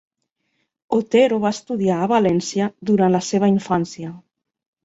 Otero va estudiar a València durant la seva infància